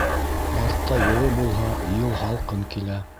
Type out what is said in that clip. Мартта йылы булһа, йыл һалҡын була.